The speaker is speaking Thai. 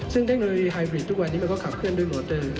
ซึ่งเทคโนโลยีไฮบริดทุกวันนี้เราก็ขับเคลื่อนด้วยมอเตอร์